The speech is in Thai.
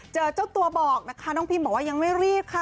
เจ้าตัวบอกนะคะน้องพิมบอกว่ายังไม่รีบค่ะ